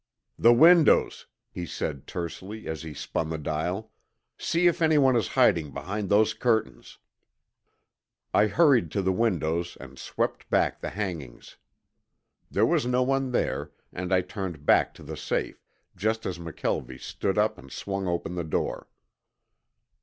"The windows," he said tersely, as he spun the dial. "See if anyone is hiding behind those curtains." I hurried to the windows and swept back the hangings. There was no one there, and I turned back to the safe just as McKelvie stood up and swung open the door.